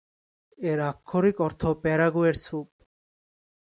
এর আক্ষরিক অর্থ "প্যারাগুয়ের স্যুপ"।